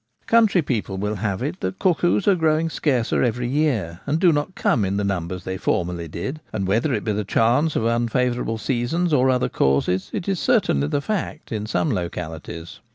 Country people will have it that cuckoos are growing scarcer every year, and do not come in the numbers they formerly did ; and, whether it be the chance of unfavourable seasons or other causes, it is certainly the fact in some localities.